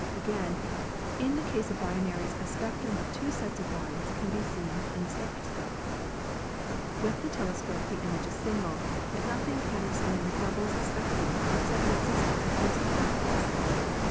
Again, in the case of binaries a spectrum with two sets of lines is seen in the spectroscope. With the telescope the image is single, but nothing can explain the double spec trum except the existence of two separate bodies.